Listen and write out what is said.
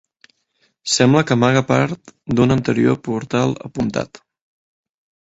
Sembla que amaga part d'un anterior portal apuntat.